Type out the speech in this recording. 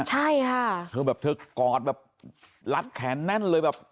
ใช่ค่ะเธอแบบเธอกอดแบบรัดแขนแน่นเลยแบบ